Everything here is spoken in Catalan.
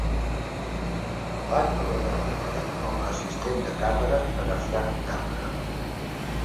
Va treballar breument com a assistent de càmera per a Frank Capra.